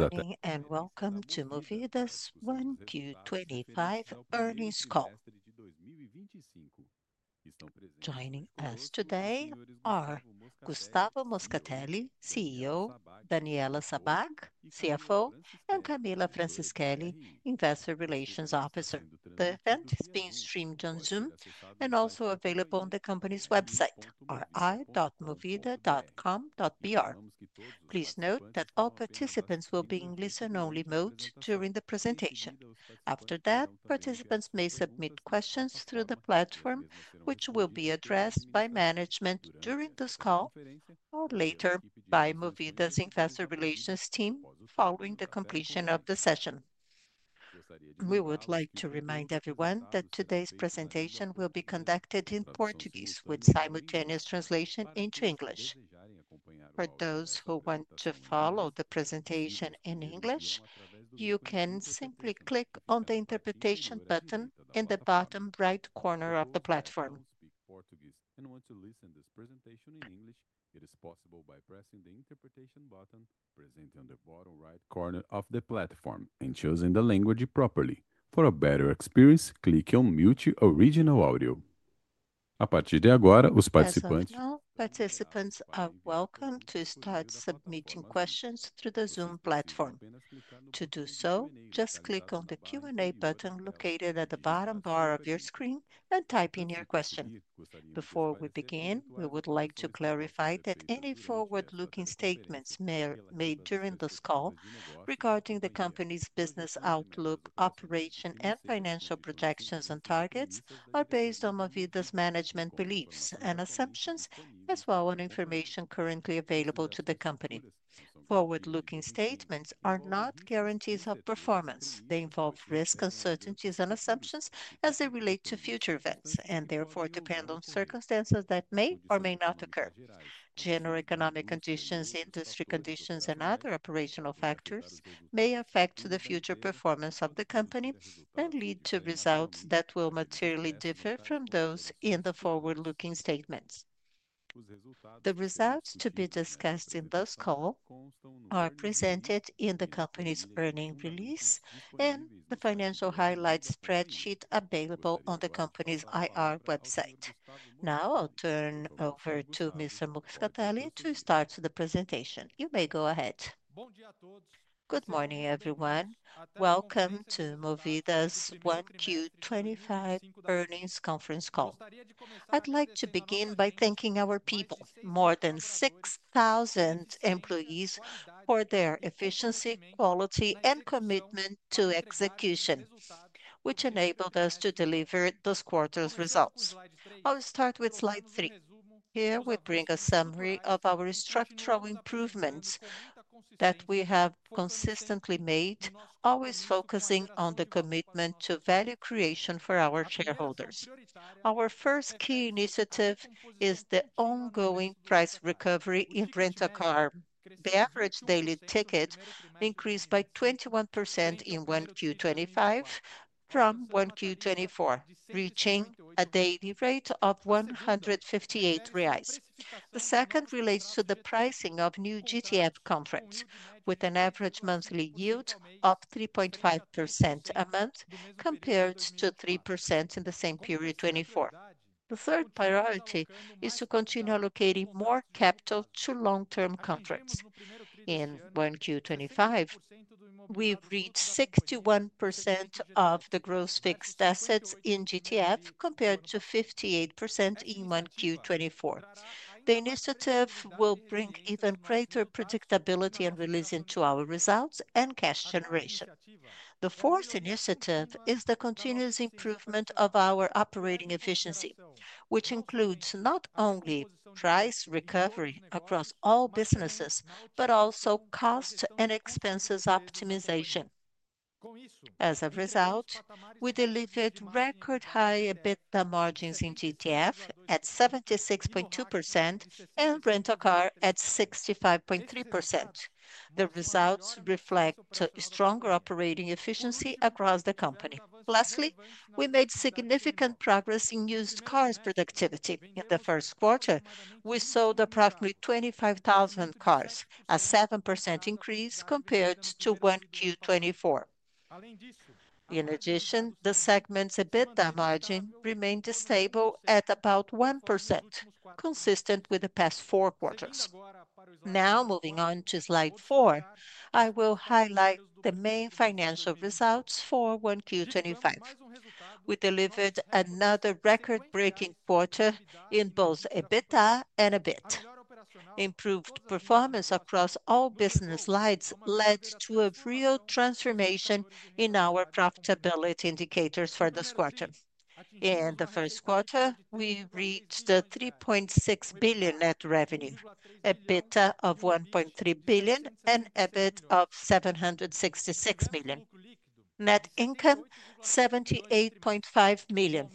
Good evening and welcome to Movida's 1Q25 Earnings Call. Joining us today are Gustavo Moscatelli, CEO; Daniela Sabbag, CFO; and Camila Francischelli, Investor Relations Officer. The event is being streamed on Zoom and also available on the company's website, ri.movida.com.br. Please note that all participants will be in listen-only mode during the presentation. After that, participants may submit questions through the platform, which will be addressed by management during this call or later by Movida's Investor Relations team following the completion of the session. We would like to remind everyone that today's presentation will be conducted in Portuguese with simultaneous translation into English. For those who want to follow the presentation in English, you can simply click on the interpretation button in the bottom right corner of the platform. Participants are welcome to start submitting questions through the Zoom platform. To do so, just click on the Q&A button located at the bottom bar of your screen and type in your question. Before we begin, we would like to clarify that any forward-looking statements made during this call regarding the company's business outlook, operation, and financial projections and targets are based on Movida's management beliefs and assumptions, as well as on information currently available to the company. Forward-looking statements are not guarantees of performance. They involve risk, uncertainties, and assumptions as they relate to future events and therefore depend on circumstances that may or may not occur. General economic conditions, industry conditions, and other operational factors may affect the future performance of the company and lead to results that will materially differ from those in the forward-looking statements. The results to be discussed in this call are presented in the company's earnings release and the financial highlights spreadsheet available on the company's IR website. Now, I'll turn over to Mr. Moscatelli to start the presentation. You may go ahead. Good morning, everyone. Welcome to Movida's 1Q25 Earnings Conference Call. I'd like to begin by thanking our people, more than 6,000 employees, for their efficiency, quality, and commitment to execution, which enabled us to deliver this quarter's results. I'll start with slide three. Here, we bring a summary of our structural improvements that we have consistently made, always focusing on the commitment to value creation for our shareholders. Our first key initiative is the ongoing price recovery in rental car. The average daily ticket increased by 21% in 1Q25 from 1Q24, reaching a daily rate of 158 reais. The second relates to the pricing of new GTF contracts, with an average monthly yield of 3.5% a month compared to 3% in the same period, 2024. The third priority is to continue allocating more capital to long-term contracts. In 1Q25, we've reached 61% of the gross fixed assets in GTF compared to 58% in 1Q24. The initiative will bring even greater predictability and relation to our results and cash generation. The fourth initiative is the continuous improvement of our operating efficiency, which includes not only price recovery across all businesses but also cost and expenses optimization. As a result, we delivered record-high EBITDA margins in GTF at 76.2% and rental car at 65.3%. The results reflect stronger operating efficiency across the company. Lastly, we made significant progress in used cars productivity. In the first quarter, we sold approximately 25,000 cars, a 7% increase compared to 1Q24. In addition, the segment's EBITDA margin remained stable at about 1%, consistent with the past four quarters. Now, moving on to slide four, I will highlight the main financial results for 1Q25. We delivered another record-breaking quarter in both EBITDA and EBIT. Improved performance across all business lines led to a real transformation in our profitability indicators for this quarter. In the first quarter, we reached 3.6 billion net revenue, EBITDA of 1.3 billion, and EBIT of 766 million. Net income 78.5 million,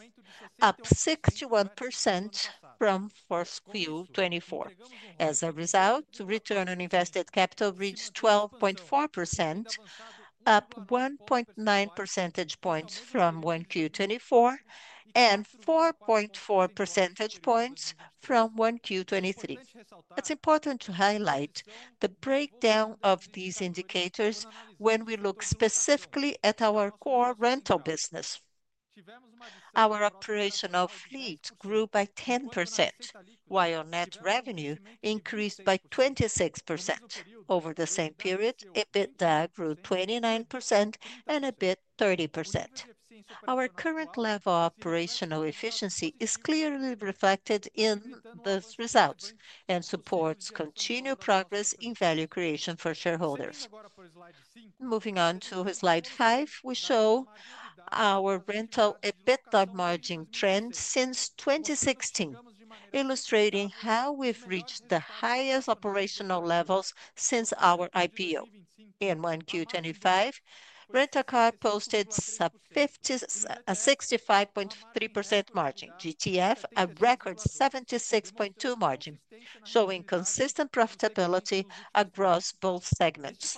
up 61% from first Q 2024. As a result, return on invested capital reached 12.4%, up 1.9 percentage points from Q1 2024 and 4.4 percentage points from Q1 2023. It is important to highlight the breakdown of these indicators when we look specifically at our core rental business. Our operational fleet grew by 10%, while net revenue increased by 26%. Over the same period, EBITDA grew 29% and EBIT 30%. Our current level of operational efficiency is clearly reflected in those results and supports continued progress in value creation for shareholders. Moving on to slide five, we show our rental EBITDA margin trend since 2016, illustrating how we've reached the highest operational levels since our IPO. In 1Q2025, Rental Car posted a 65.3% margin, GTF a record 76.2% margin, showing consistent profitability across both segments.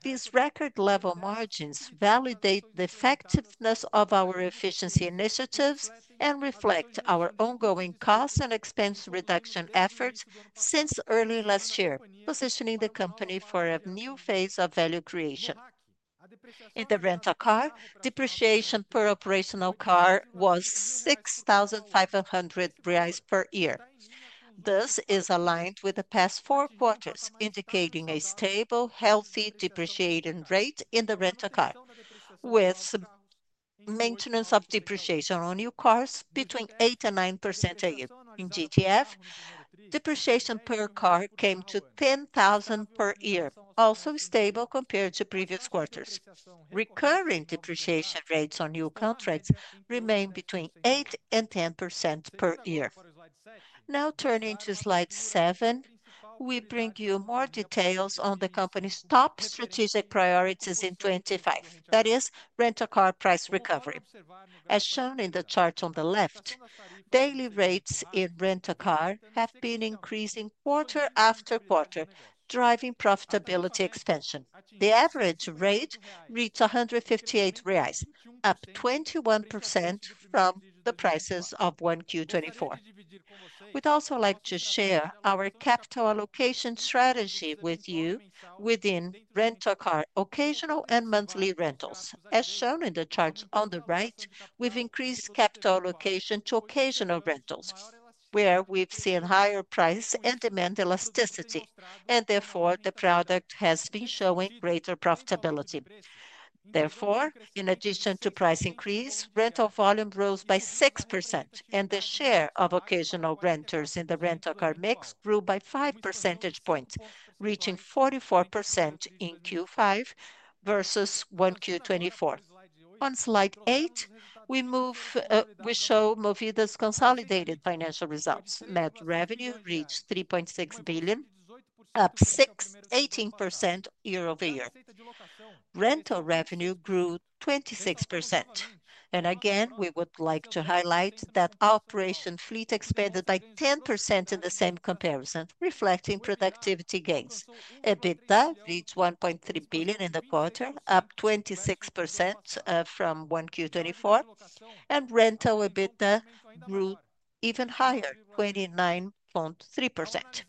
These record-level margins validate the effectiveness of our efficiency initiatives and reflect our ongoing cost and expense reduction efforts since early last year, positioning the company for a new phase of value creation. In the Rental Car, depreciation per operational car was 6,500 reais per year. This is aligned with the past four quarters, indicating a stable, healthy depreciation rate in the Rental Car. With maintenance of depreciation on new cars between 8%-9% in GTF, depreciation per car came to 10,000 per year, also stable compared to previous quarters. Recurring depreciation rates on new contracts remain between 8%-10% per year. Now, turning to slide seven, we bring you more details on the company's top strategic priorities in 2025, that is, rental car price recovery. As shown in the chart on the left, daily rates in rental car have been increasing quarter after quarter, driving profitability expansion. The average rate reached 158 reais, up 21% from the prices of 1Q2024. We'd also like to share our capital allocation strategy with you within rental car occasional and monthly rentals. As shown in the chart on the right, we've increased capital allocation to occasional rentals, where we've seen higher price and demand elasticity, and therefore the product has been showing greater profitability. Therefore, in addition to price increase, rental volume rose by 6%, and the share of occasional renters in the rental car mix grew by 5 percentage points, reaching 44% in Q5 versus 1Q2024. On slide eight, we show Movida's consolidated financial results. Net revenue reached 3.6 billion, up 18% year over year. Rental revenue grew 26%. Again, we would like to highlight that operation fleet expanded by 10% in the same comparison, reflecting productivity gains. EBITDA reached 1.3 billion in the quarter, up 26% from 1Q2024, and rental EBITDA grew even higher, 29.3%.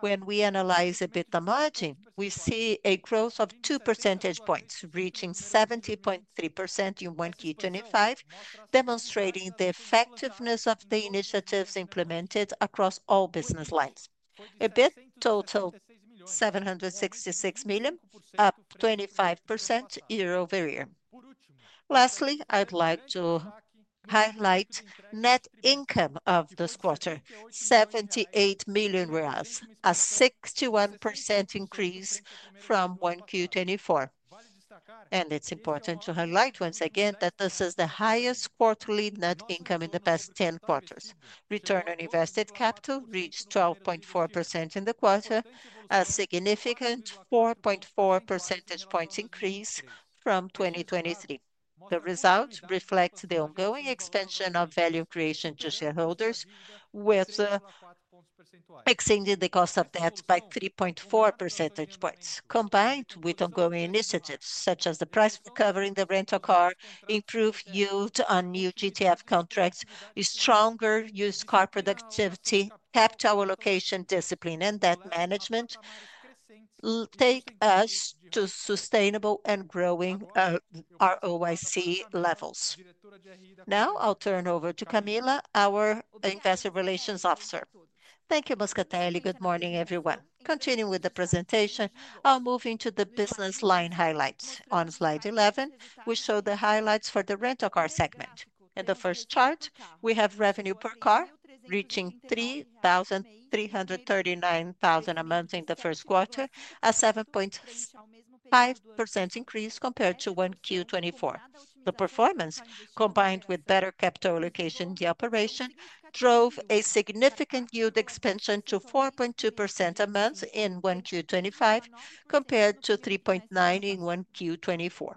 When we analyze EBITDA margin, we see a growth of 2 percentage points, reaching 70.3% in 1Q2025, demonstrating the effectiveness of the initiatives implemented across all business lines. EBIT totaled 766 million, up 25% year over year. Lastly, I'd like to highlight net income of this quarter, 78 million reais, a 61% increase from 1Q2024. It is important to highlight once again that this is the highest quarterly net income in the past 10 quarters. Return on invested capital reached 12.4% in the quarter, a significant 4.4 percentage points increase from 2023. The results reflect the ongoing expansion of value creation to shareholders, with exceeding the cost of that by 3.4 percentage points. Combined with ongoing initiatives such as the price recovery in the rental car, improved yield on new GTF contracts, stronger used car productivity, capital allocation discipline, and that management take us to sustainable and growing ROIC levels. Now, I'll turn over to Camila, our Investor Relations Officer. Thank you, Moscatelli. Good morning, everyone. Continuing with the presentation, I'll move into the business line highlights. On slide 11, we show the highlights for the rental car segment. In the first chart, we have revenue per car reaching 3,339 a month in the first quarter, a 7.5% increase compared to 1Q24. The performance, combined with better capital allocation in the operation, drove a significant yield expansion to 4.2% a month in 1Q25 compared to 3.9% in 1Q24.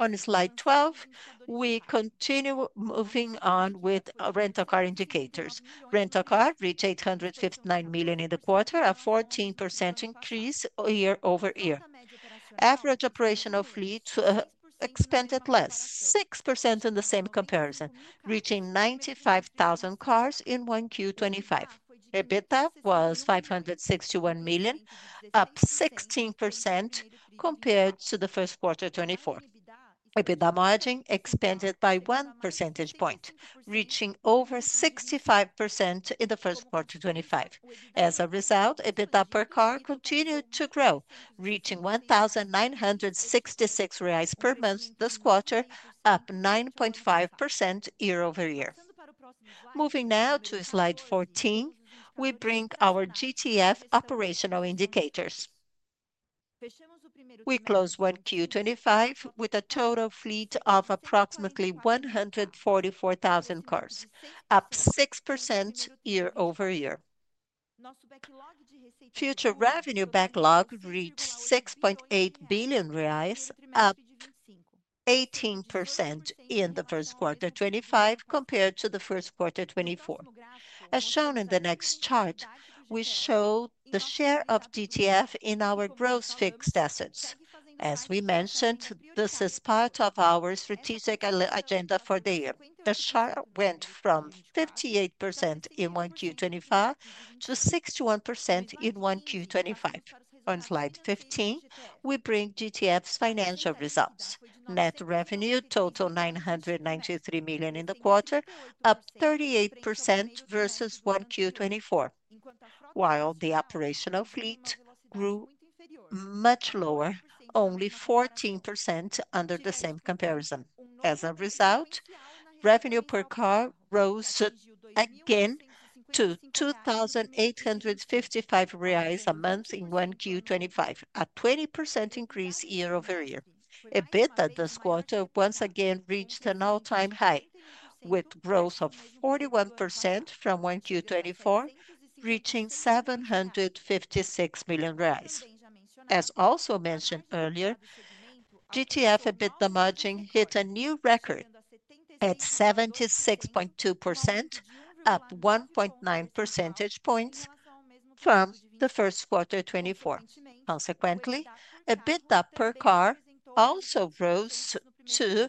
On slide 12, we continue moving on with rental car indicators. Rental car reached 859 million in the quarter, a 14% increase year over year. Average operational fleet expanded less, 6% in the same comparison, reaching 95,000 cars in 1Q25. EBITDA was 561 million, up 16% compared to the first quarter of 2024. EBITDA margin expanded by 1 percentage point, reaching over 65% in the first quarter of 2025. As a result, EBITDA per car continued to grow, reaching 1,966 reais per month this quarter, up 9.5% year over year. Moving now to slide 14, we bring our GTF operational indicators. We close 1Q25 with a total fleet of approximately 144,000 cars, up 6% year over year. Future revenue backlog reached 6.8 billion reais, up 18% in the first quarter of 2025 compared to the first quarter of 2024. As shown in the next chart, we show the share of GTF in our gross fixed assets. As we mentioned, this is part of our strategic agenda for the year. The share went from 58% in 1Q25 to 61% in 1Q25. On slide 15, we bring GTF's financial results. Net revenue total 993 million in the quarter, up 38% versus 1Q24, while the operational fleet grew much lower, only 14% under the same comparison. As a result, revenue per car rose again to 2,855 reais a month in 1Q25, a 20% increase year over year. EBITDA this quarter once again reached an all-time high, with growth of 41% from 1Q24, reaching 756 million. As also mentioned earlier, GTF EBITDA margin hit a new record at 76.2%, up 1.9 percentage points from the first quarter of 2024. Consequently, EBITDA per car also rose to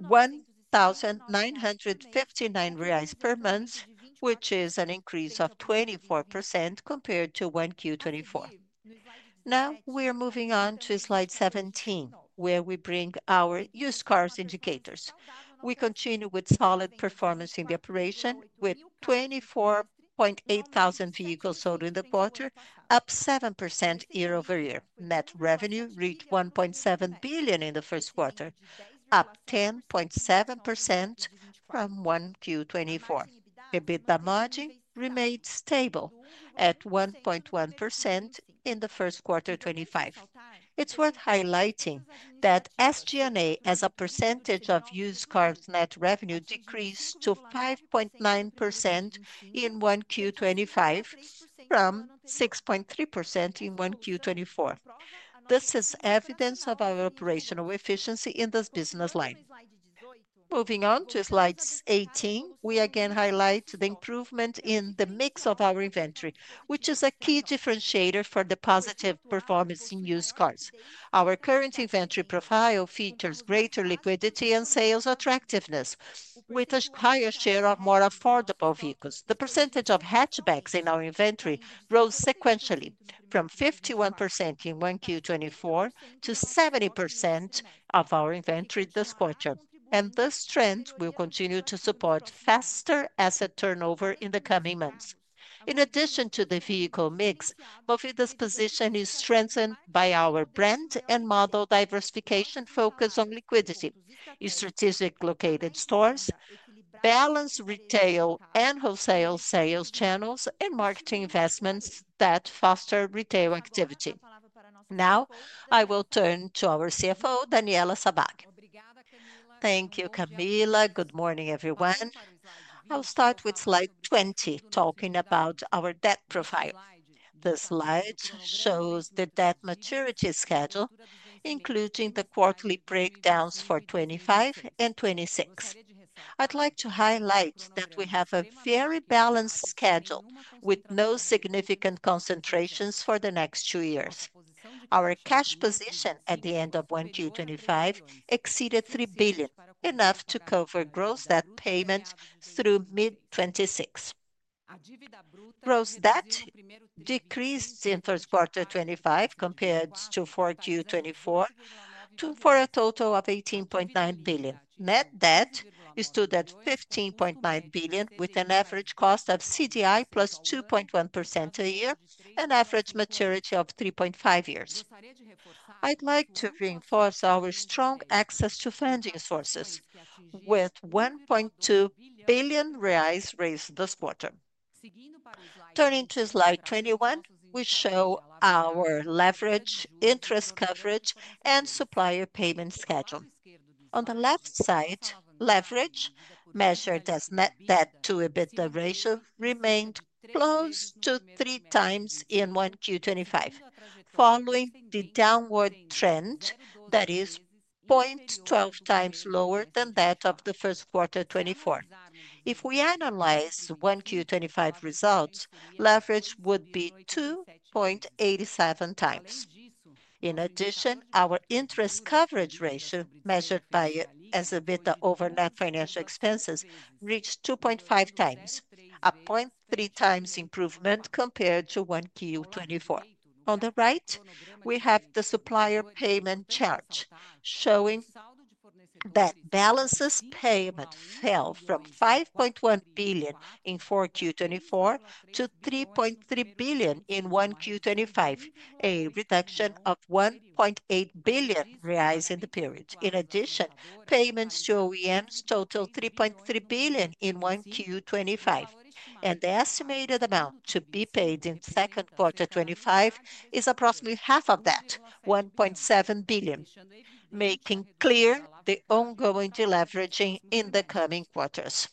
1,959 reais per month, which is an increase of 24% compared to 1Q24. Now, we're moving on to slide 17, where we bring our used cars indicators. We continue with solid performance in the operation, with 24.8 thousand vehicles sold in the quarter, up 7% year over year. Net revenue reached 1.7 billion in the first quarter, up 10.7% from 1Q24. EBITDA margin remained stable at 1.1% in the first quarter of 2025. It's worth highlighting that SG&A as a percentage of used cars net revenue decreased to 5.9% in 1Q25 from 6.3% in 1Q24. This is evidence of our operational efficiency in this business line. Moving on to slide 18, we again highlight the improvement in the mix of our inventory, which is a key differentiator for the positive performance in used cars. Our current inventory profile features greater liquidity and sales attractiveness, with a higher share of more affordable vehicles. The percentage of hatchbacks in our inventory rose sequentially from 51% in 1Q24 to 70% of our inventory this quarter. This trend will continue to support faster asset turnover in the coming months. In addition to the vehicle mix, Movida's position is strengthened by our brand and model diversification, focus on liquidity, strategically located stores, balanced retail and wholesale sales channels, and marketing investments that foster retail activity. Now, I will turn to our CFO, Daniela Sabbag. Thank you, Camila. Good morning, everyone. I'll start with slide 20, talking about our debt profile. This slide shows the debt maturity schedule, including the quarterly breakdowns for 2025 and 2026. I'd like to highlight that we have a very balanced schedule with no significant concentrations for the next two years. Our cash position at the end of 1Q2025 exceeded 3 billion, enough to cover gross debt payments through mid-2026. Gross debt decreased in first quarter 2025 compared to 4Q2024 to for a total of 18.9 billion. Net debt stood at 15.9 billion, with an average cost of CDI plus 2.1% a year, an average maturity of 3.5 years. I'd like to reinforce our strong access to funding sources, with 1.2 billion reais raised this quarter. Turning to slide 21, we show our leverage, interest coverage, and supplier payment schedule. On the left side, leverage, measured as net debt to EBITDA ratio, remained close to three times in 1Q2025, following the downward trend that is 0.12 times lower than that of the first quarter 2024. If we analyze 1Q2025 results, leverage would be 2.87 times. In addition, our interest coverage ratio, measured as EBITDA over net financial expenses, reached 2.5 times, a 0.3 times improvement compared to 1Q2024. On the right, we have the supplier payment charge, showing that balance payment fell from 5.1 billion in 4Q2024 to 3.3 billion in 1Q2025, a reduction of 1.8 billion reais in the period. In addition, payments to OEMs total 3.3 billion in 1Q2025, and the estimated amount to be paid in second quarter 2025 is approximately half of that, 1.7 billion, making clear the ongoing deleveraging in the coming quarters.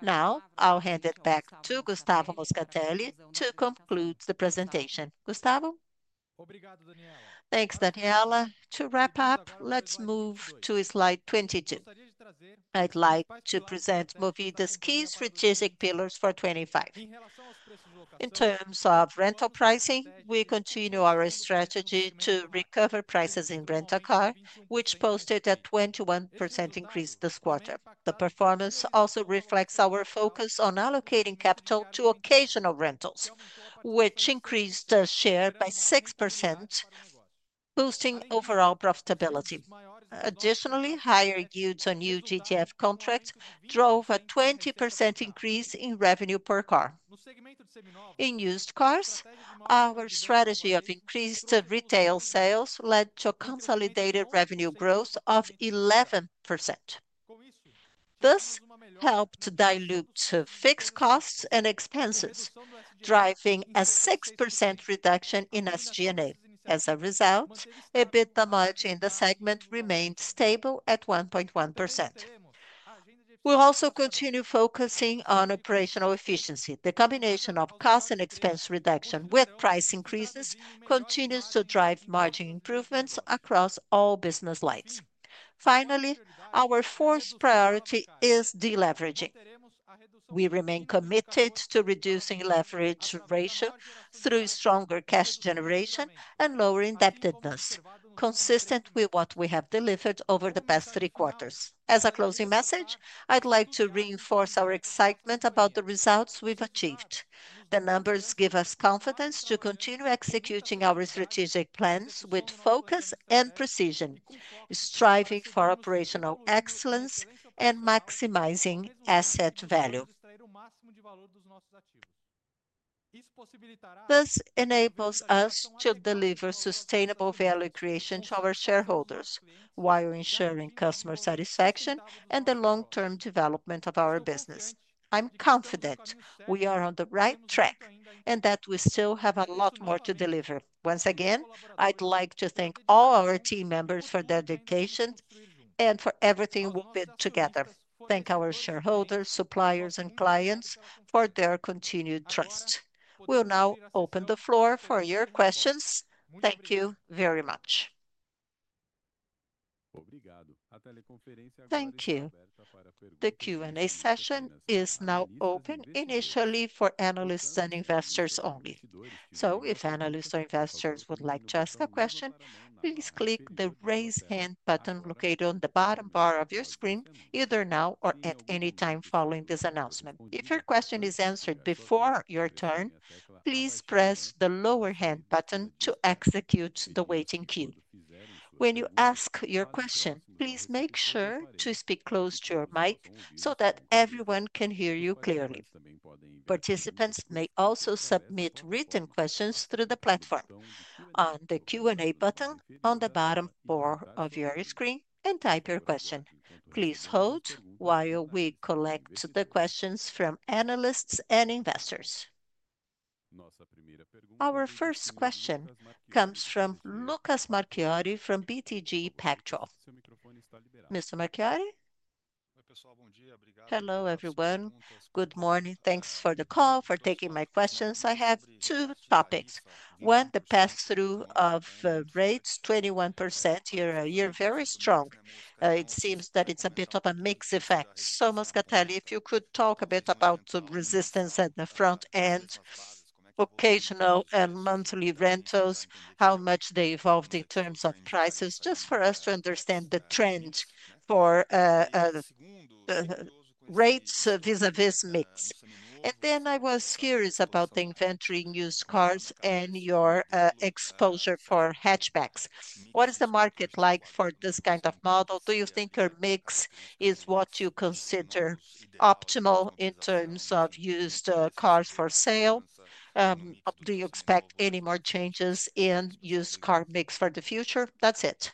Now, I'll hand it back to Gustavo Moscatelli to conclude the presentation. Thanks, Daniela. To wrap up, let's move to slide 22. I'd like to present Movida's key strategic pillars for 2025. In terms of rental pricing, we continue our strategy to recover prices in rental car, which posted a 21% increase this quarter. The performance also reflects our focus on allocating capital to occasional rentals, which increased the share by 6%, boosting overall profitability. Additionally, higher yields on new GTF contracts drove a 20% increase in revenue per car. In used cars, our strategy of increased retail sales led to a consolidated revenue growth of 11%. This helped dilute fixed costs and expenses, driving a 6% reduction in SG&A. As a result, EBITDA margin in the segment remained stable at 1.1%. We also continue focusing on operational efficiency. The combination of cost and expense reduction with price increases continues to drive margin improvements across all business lines. Finally, our fourth priority is deleveraging. We remain committed to reducing leverage ratio through stronger cash generation and lower indebtedness, consistent with what we have delivered over the past three quarters. As a closing message, I'd like to reinforce our excitement about the results we've achieved. The numbers give us confidence to continue executing our strategic plans with focus and precision, striving for operational excellence and maximizing asset value. This enables us to deliver sustainable value creation to our shareholders while ensuring customer satisfaction and the long-term development of our business. I'm confident we are on the right track and that we still have a lot more to deliver. Once again, I'd like to thank all our team members for their dedication and for everything we did together. Thank our shareholders, suppliers, and clients for their continued trust. We'll now open the floor for your questions. Thank you very much. Thank you. The Q&A session is now open initially for analysts and investors only. If analysts or investors would like to ask a question, please click the raise hand button located on the bottom bar of your screen, either now or at any time following this announcement. If your question is answered before your turn, please press the lower hand button to execute the waiting queue. When you ask your question, please make sure to speak close to your mic so that everyone can hear you clearly. Participants may also submit written questions through the platform on the Q&A button on the bottom bar of your screen and type your question. Please hold while we collect the questions from analysts and investors. Our first question comes from Lucas Marquiori from BTG Pactual. Mr. Marquiori? Hello, everyone. Good morning. Thanks for the call, for taking my questions. I have two topics. One, the pass-through of rates, 21% year on year, very strong. It seems that it's a bit of a mixed effect. Moscatelli, if you could talk a bit about the resistance at the front end, occasional and monthly rentals, how much they evolved in terms of prices, just for us to understand the trend for rates vis-à-vis mix. I was curious about the inventory in used cars and your exposure for hatchbacks. What is the market like for this kind of model? Do you think your mix is what you consider optimal in terms of used cars for sale? Do you expect any more changes in used car mix for the future? That's it.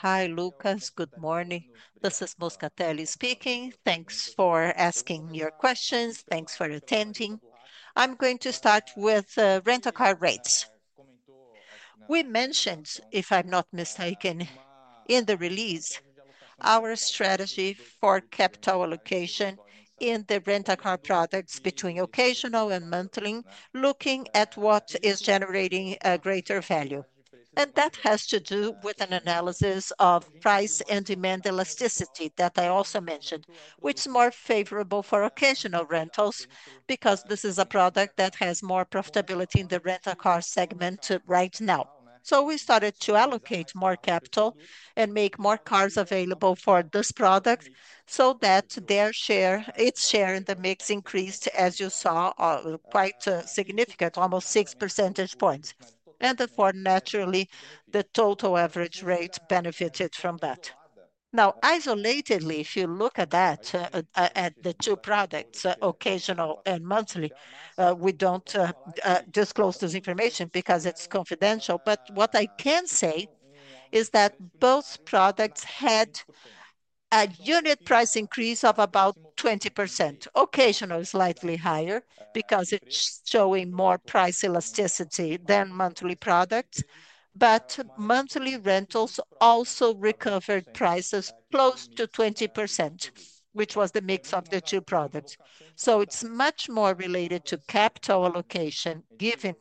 Hi, Lucas. Good morning. This is Moscatelli speaking. Thanks for asking your questions. Thanks for attending. I'm going to start with rental car rates. We mentioned, if I'm not mistaken, in the release, our strategy for capital allocation in the rental car products between occasional and monthly, looking at what is generating a greater value. That has to do with an analysis of price and demand elasticity that I also mentioned, which is more favorable for occasional rentals because this is a product that has more profitability in the rental car segment right now. We started to allocate more capital and make more cars available for this product so that their share, its share in the mix increased, as you saw, quite significant, almost 6 percentage points. Therefore, naturally, the total average rate benefited from that. Now, isolatedly, if you look at that, at the two products, occasional and monthly, we do not disclose this information because it is confidential. What I can say is that both products had a unit price increase of about 20%. Occasional is slightly higher because it's showing more price elasticity than monthly products. Monthly rentals also recovered prices close to 20%, which was the mix of the two products. It is much more related to capital allocation given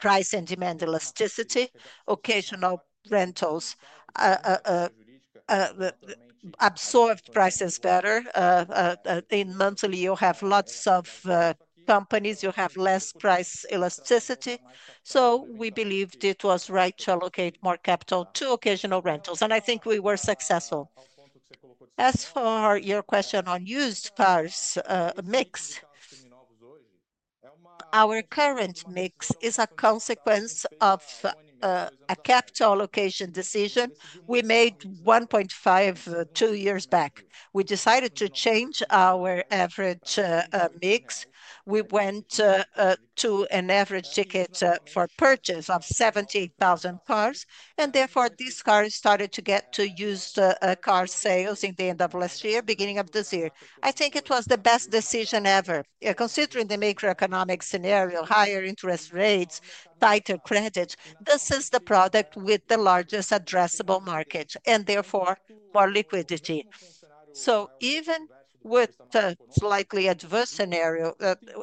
price and demand elasticity. Occasional rentals absorbed prices better. In monthly, you have lots of companies, you have less price elasticity. We believed it was right to allocate more capital to occasional rentals. I think we were successful. As for your question on used cars mix, our current mix is a consequence of a capital allocation decision we made 1.5-2 years back. We decided to change our average mix. We went to an average ticket for purchase of 78,000 cars. Therefore, these cars started to get to used car sales in the end of last year, beginning of this year. I think it was the best decision ever. Considering the macroeconomic scenario, higher interest rates, tighter credit, this is the product with the largest addressable market and therefore more liquidity. Even with a slightly adverse scenario,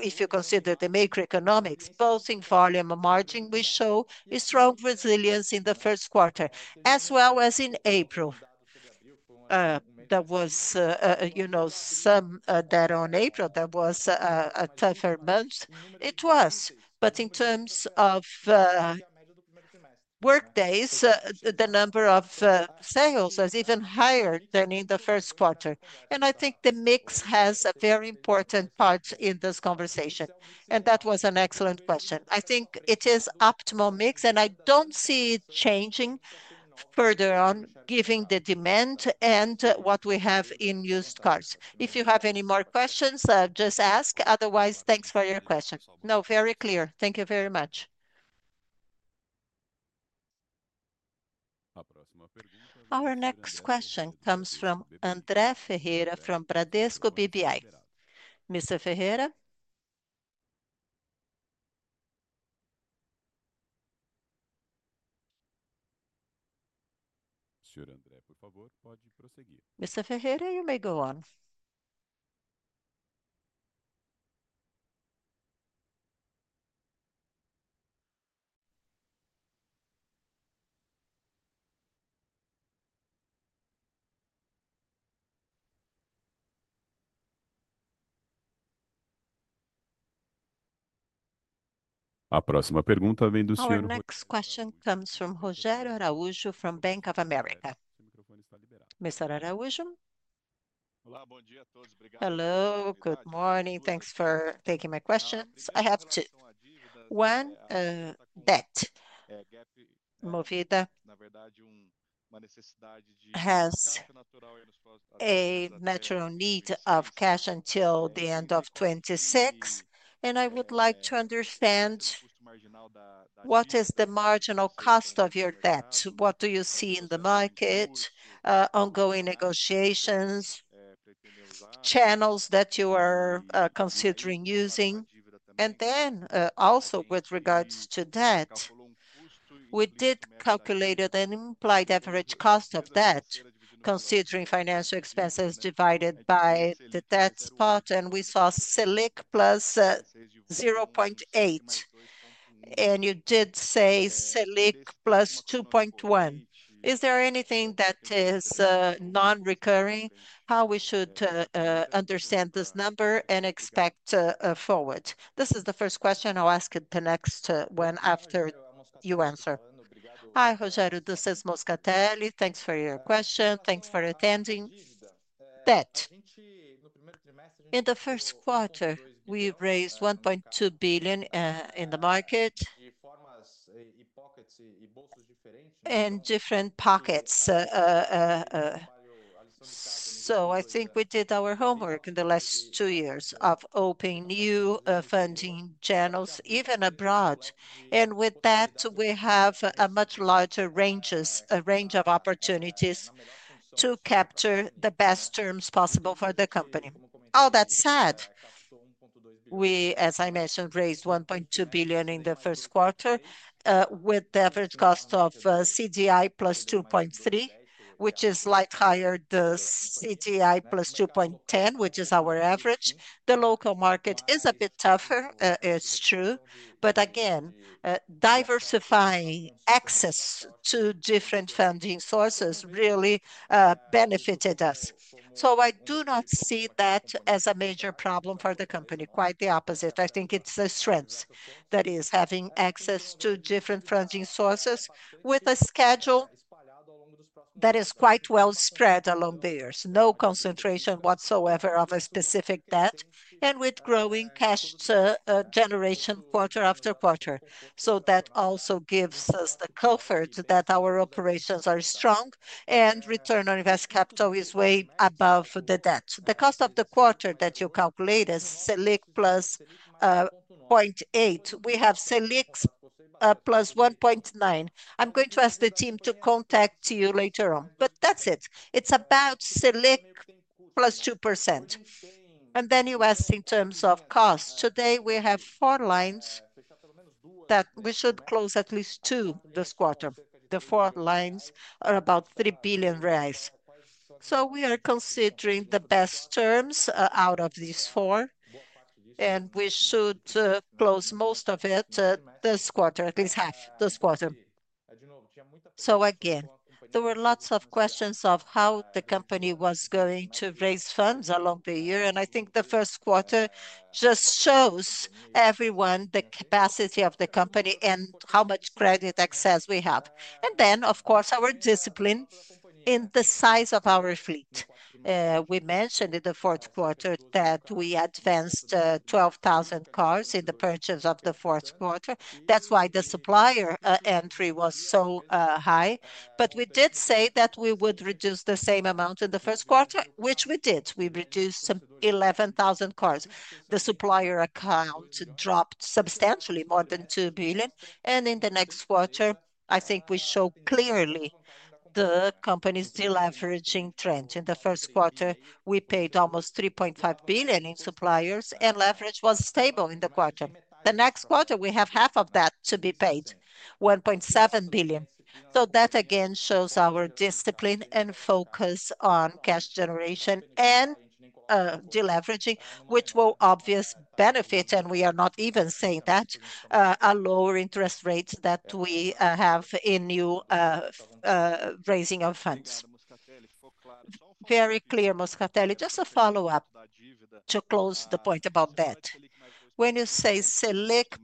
if you consider the macroeconomics, both in volume and margin, we show a strong resilience in the first quarter, as well as in April. There was, you know, some data on April that was a tougher month. It was. In terms of workdays, the number of sales was even higher than in the first quarter. I think the mix has a very important part in this conversation. That was an excellent question. I think it is optimal mix, and I do not see it changing further on given the demand and what we have in used cars. If you have any more questions, just ask. Otherwise, thanks for your question. No, very clear. Thank you very much. Our next question comes from André Ferreira from Bradesco BBI. Mr. Ferreira? Mr. Ferreira, you may go on. Our next question comes from Rogério Araújo from Bank of America. Mr. Araújo? Olá, bom dia a todos. Hello, good morning. Thanks for taking my questions. I have two. One, debt. Movida? Natural need of cash until the end of 2026. And I would like to understand what is the marginal cost of your debt. What do you see in the market, ongoing negotiations, channels that you are considering using? Then also with regards to debt, we did calculate an implied average cost of debt, considering financial expenses divided by the debt spot, and we saw Selic plus 0.8. You did say Selic plus 2.1. Is there anything that is non-recurring? How should we understand this number and expect forward? This is the first question. I'll ask the next one after you answer. Hi, Rogério, this is Moscatelli. Thanks for your question. Thanks for attending. Debt. In the first quarter, we raised 1.2 billion in the market. And different pockets. I think we did our homework in the last two years of opening new funding channels, even abroad. With that, we have a much larger range, a range of opportunities to capture the best terms possible for the company. All that said, we, as I mentioned, raised 1.2 billion in the first quarter with the average cost of CDI plus 2.3, which is slightly higher than CDI plus 2.10, which is our average. The local market is a bit tougher, it's true. Again, diversifying access to different funding sources really benefited us. I do not see that as a major problem for the company, quite the opposite. I think it's a strength that is having access to different funding sources with a schedule that is quite well spread along the years. No concentration whatsoever of a specific debt and with growing cash generation quarter after quarter. That also gives us the comfort that our operations are strong and return on invested capital is way above the debt. The cost of the quarter that you calculate is Selic plus 0.8. We have Selic plus 1.9. I'm going to ask the team to contact you later on. But that's it. It's about Selic plus 2%. And then you ask in terms of cost. Today, we have four lines that we should close at least two this quarter. The four lines are about 3 billion reais. So we are considering the best terms out of these four, and we should close most of it this quarter, at least half this quarter. Again, there were lots of questions of how the company was going to raise funds along the year. I think the first quarter just shows everyone the capacity of the company and how much credit access we have. Of course, our discipline in the size of our fleet. We mentioned in the fourth quarter that we advanced 12,000 cars in the purchase of the fourth quarter. That's why the supplier entry was so high. We did say that we would reduce the same amount in the first quarter, which we did. We reduced 11,000 cars. The supplier account dropped substantially, more than 2 billion. In the next quarter, I think we show clearly the company's deleveraging trend. In the first quarter, we paid almost 3.5 billion in suppliers, and leverage was stable in the quarter. The next quarter, we have half of that to be paid, 1.7 billion. That again shows our discipline and focus on cash generation and deleveraging, which will obviously benefit, and we are not even saying that, a lower interest rate that we have in new raising of funds. Very clear, Moscatelli. Just a follow-up to close the point about debt. When you say Selic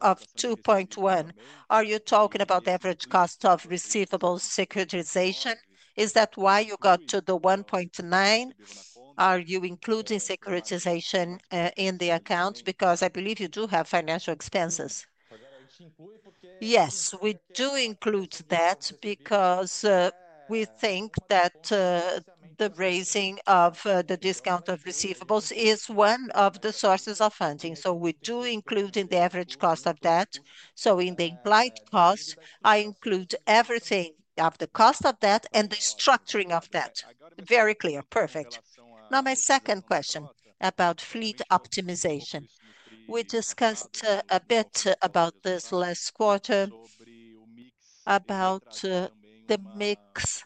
of 2.1, are you talking about the average cost of receivables securitization? Is that why you got to the 1.9? Are you including securitization in the account? Because I believe you do have financial expenses. Yes, we do include that because we think that the raising of the discount of receivables is one of the sources of funding. So we do include in the average cost of debt. In the implied cost, I include everything of the cost of debt and the structuring of debt. Very clear. Perfect. Now, my second question about fleet optimization. We discussed a bit about this last quarter, about the mix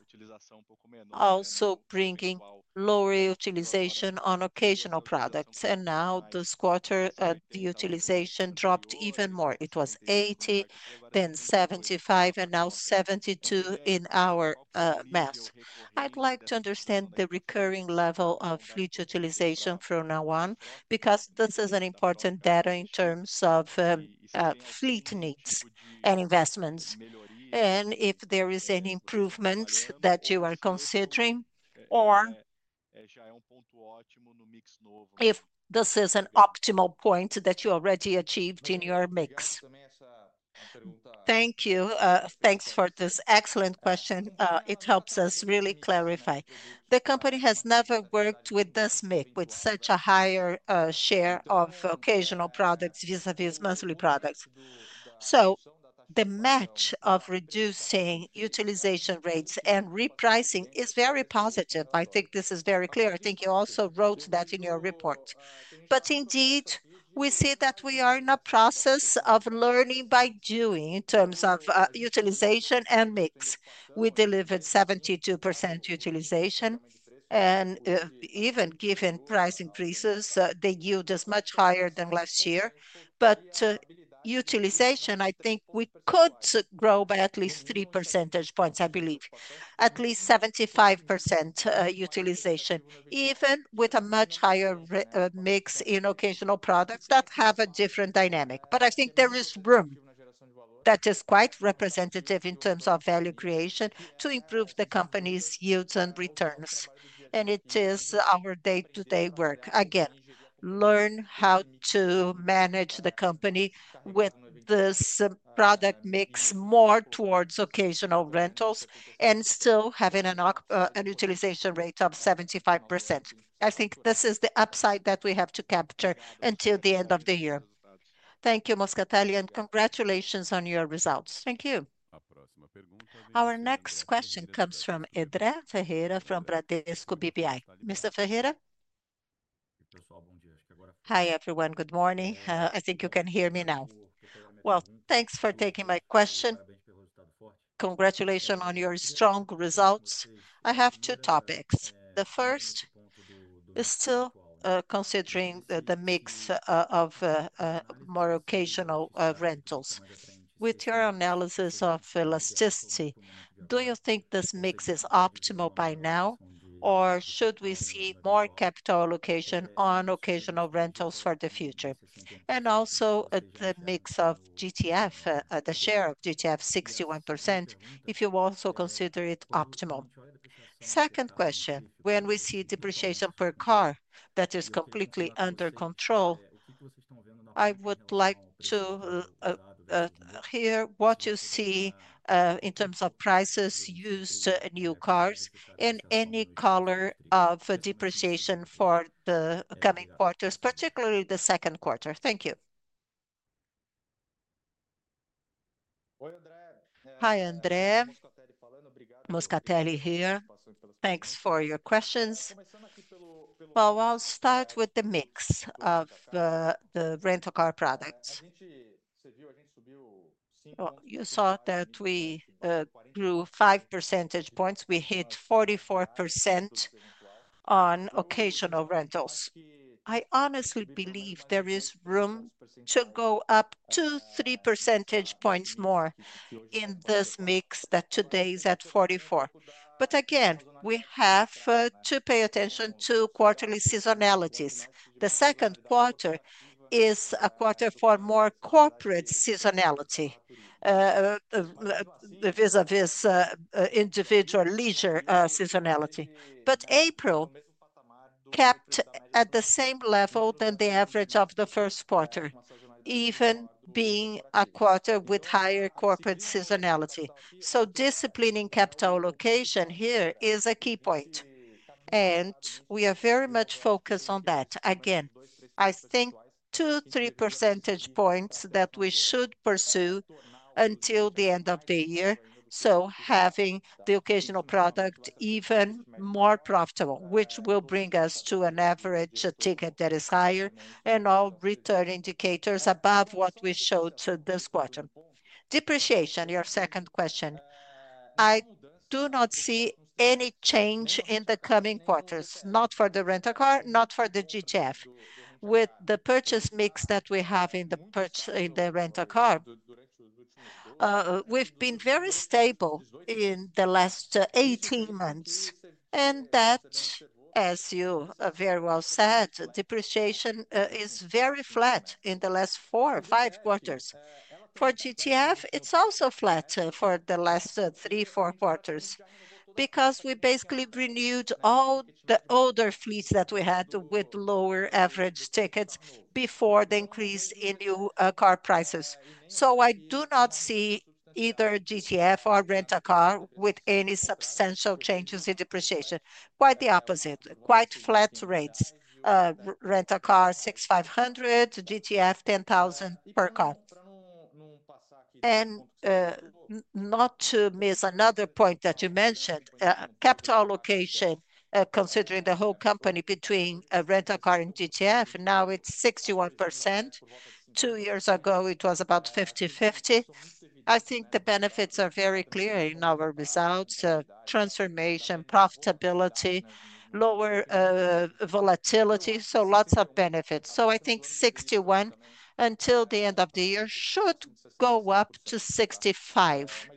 also bringing lower utilization on occasional products. Now this quarter, the utilization dropped even more. It was 80%, then 75%, and now 72% in our math. I'd like to understand the recurring level of fleet utilization from now on because this is an important data in terms of fleet needs and investments. If there is any improvement that you are considering or if this is an optimal point that you already achieved in your mix. Thank you. Thanks for this excellent question. It helps us really clarify. The company has never worked with this mix, with such a higher share of occasional products vis-à-vis monthly products. The match of reducing utilization rates and repricing is very positive. I think this is very clear. I think you also wrote that in your report. Indeed, we see that we are in a process of learning by doing in terms of utilization and mix. We delivered 72% utilization. Even given price increases, the yield is much higher than last year. Utilization, I think we could grow by at least 3 percentage points, I believe. At least 75% utilization, even with a much higher mix in occasional products that have a different dynamic. I think there is room that is quite representative in terms of value creation to improve the company's yields and returns. It is our day-to-day work. Again, learn how to manage the company with this product mix more towards occasional rentals and still having a utilization rate of 75%. I think this is the upside that we have to capture until the end of the year. Thank you, Moscatelli, and congratulations on your results. Thank you. Our next question comes from André Ferreira from Bradesco BBI. Mr. Ferreira? Hi, everyone. Good morning. I think you can hear me now. Thanks for taking my question. Congratulations on your strong results. I have two topics. The first is still considering the mix of more occasional rentals. With your analysis of elasticity, do you think this mix is optimal by now, or should we see more capital allocation on occasional rentals for the future? Also, the mix of GTF, the share of GTF, 61%, if you also consider it optimal. Second question. When we see depreciation per car that is completely under control, I would like to hear what you see in terms of prices used to new cars and any color of depreciation for the coming quarters, particularly the second quarter. Thank you. Hi, André. Moscatelli here. Thanks for your questions. I'll start with the mix of the rental car products. You saw that we grew 5 percentage points. We hit 44% on occasional rentals. I honestly believe there is room to go up 2-3 percentage points more in this mix that today is at 44%. Again, we have to pay attention to quarterly seasonalities. The second quarter is a quarter for more corporate seasonality vis-à-vis individual leisure seasonality. April kept at the same level than the average of the first quarter, even being a quarter with higher corporate seasonality. Disciplining capital allocation here is a key point. We are very much focused on that. I think 2-3 percentage points that we should pursue until the end of the year. Having the occasional product even more profitable, which will bring us to an average ticket that is higher and all return indicators above what we showed this quarter. Depreciation, your second question. I do not see any change in the coming quarters, not for the rental car, not for the GTF. With the purchase mix that we have in the rental car, we've been very stable in the last 18 months. That, as you very well said, depreciation is very flat in the last four, five quarters. For GTF, it's also flat for the last three, four quarters because we basically renewed all the older fleets that we had with lower average tickets before the increase in new car prices. I do not see either GTF or rental car with any substantial changes in depreciation. Quite the opposite, quite flat rates. Rental car, 6,500, GTF, 10,000 per car. Not to miss another point that you mentioned, capital allocation, considering the whole company between rental car and GTF, now it's 61%. Two years ago, it was about 50-50. I think the benefits are very clear in our results: transformation, profitability, lower volatility. Lots of benefits. I think 61 until the end of the year should go up to 65.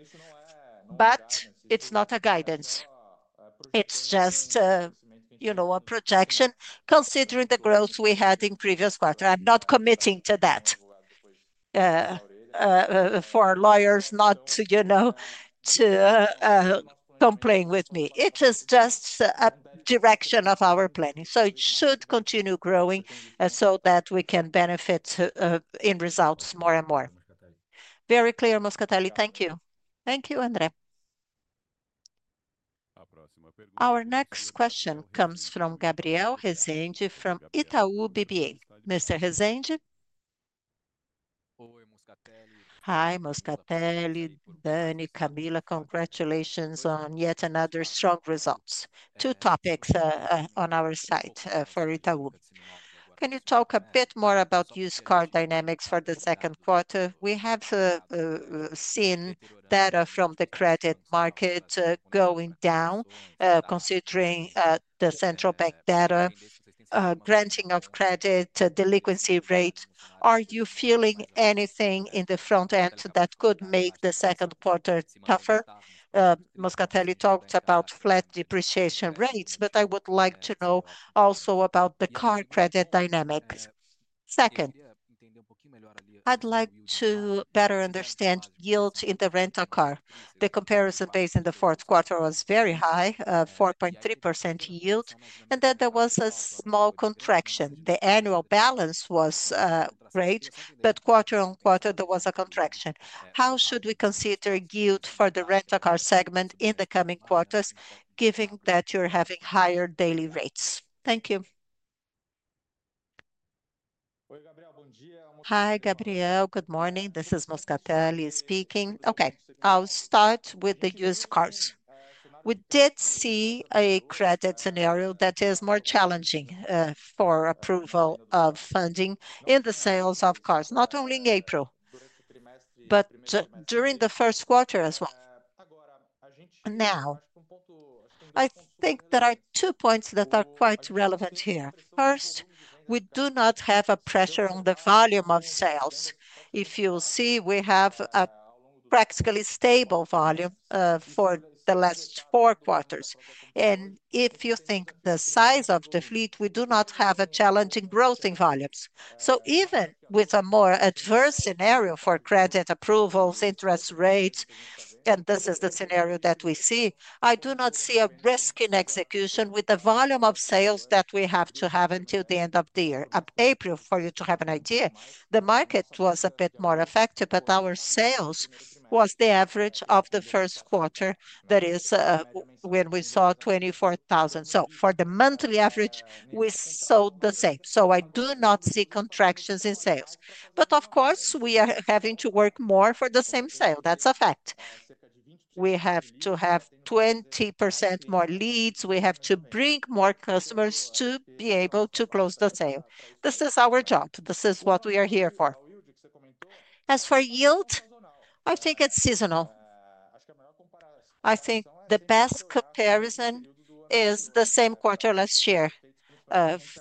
But it's not a guidance. It's just, you know, a projection considering the growth we had in previous quarter. I'm not committing to that for lawyers not to, you know, to complain with me. It is just a direction of our planning. It should continue growing so that we can benefit in results more and more. Very clear, Moscatelli. Thank you. Thank you, André. Our next question comes from Gabriel Rezende from Itaú BBA. Mr. Rezende? Hi, Moscatelli, Dani, Camila, congratulations on yet another strong result. Two topics on our side for Itaú. Can you talk a bit more about used car dynamics for the second quarter? We have seen data from the credit market going down, considering the central bank data, granting of credit, delinquency rate. Are you feeling anything in the front end that could make the second quarter tougher? Moscatelli talked about flat depreciation rates, but I would like to know also about the car credit dynamics. Second, I'd like to better understand yields in the rental car. The comparison base in the fourth quarter was very high, 4.3% yield, and then there was a small contraction. The annual balance was great, but quarter on quarter, there was a contraction. How should we consider yield for the rental car segment in the coming quarters, given that you're having higher daily rates? Thank you. Hi, Gabriel. Good morning. This is Moscatelli speaking. Okay, I'll start with the used cars. We did see a credit scenario that is more challenging for approval of funding in the sales of cars, not only in April, but during the first quarter as well. Now, I think there are two points that are quite relevant here. First, we do not have a pressure on the volume of sales. If you see, we have a practically stable volume for the last four quarters. If you think the size of the fleet, we do not have a challenging growth in volumes. Even with a more adverse scenario for credit approvals, interest rates, and this is the scenario that we see, I do not see a risk in execution with the volume of sales that we have to have until the end of the year. April, for you to have an idea, the market was a bit more effective, but our sales was the average of the first quarter, that is, when we saw 24,000. For the monthly average, we sold the same. I do not see contractions in sales. Of course, we are having to work more for the same sale. That's a fact. We have to have 20% more leads. We have to bring more customers to be able to close the sale. This is our job. This is what we are here for. As for yield, I think it's seasonal. I think the best comparison is the same quarter last year